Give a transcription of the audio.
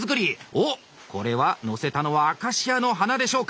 おっこれはのせたのはアカシアの花でしょうか？